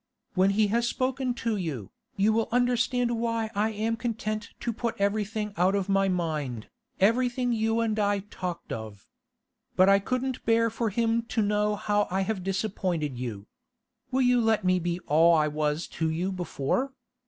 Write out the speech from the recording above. When he has spoken to you, you will understand why I am content to put everything out of my mind, everything you and I talked of. But I couldn't bear for him to know how I have disappointed you. Will you let me be all I was to you before?